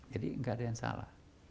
jadi gak ada yang salah